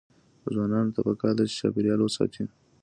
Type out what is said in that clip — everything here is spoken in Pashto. ځوانانو ته پکار ده چې، چاپیریال وساتي.